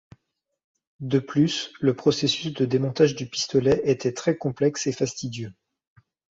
De plus, le processus de démontage du pistolet était très complexe et fastidieux.